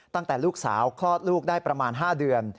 ตั้งแต่ลูกสาวคลอดลูกได้ประมาณ๕เดือน